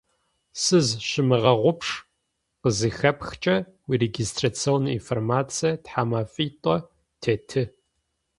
«Сызщымыгъэгъупш» къызыхэпхыкӏэ уирегистрационнэ информацие тхьэмэфитӏо теты.